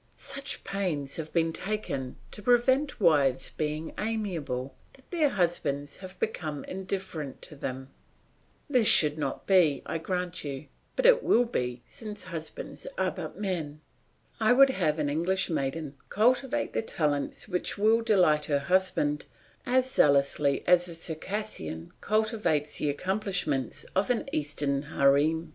Such pains has been taken to prevent wives being amiable, that their husbands have become indifferent to them. This should not be, I grant you, but it will be, since husbands are but men. I would have an English maiden cultivate the talents which will delight her husband as zealously as the Circassian cultivates the accomplishments of an Eastern harem.